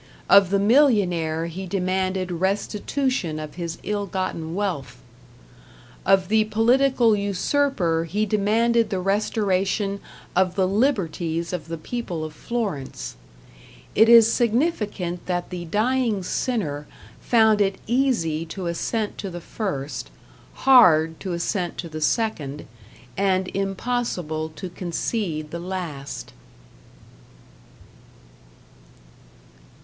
Of the millionaire he demanded restitution of his ill gotten wealth. Of the political usurper he demanded the restoration of the liberties of the people of Florence. It is significant that the dying sinner found it easy to assent to the first, hard to assent to the second, and impossible to concede the last.